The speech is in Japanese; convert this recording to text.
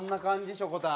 しょこたん。